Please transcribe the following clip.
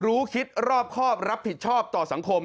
รู้คิดรอบครอบรับผิดชอบต่อสังคม